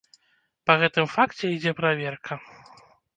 Па гэтым факце ідзе праверка.